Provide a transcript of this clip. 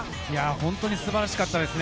本当に素晴らしかったですね。